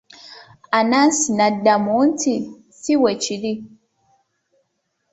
Anansi n'addamu nti, Si bwe kiri!